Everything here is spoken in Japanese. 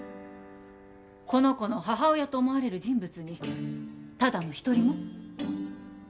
この子の母親と思われる人物にただの一人も？